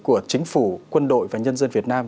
của chính phủ quân đội và nhân dân việt nam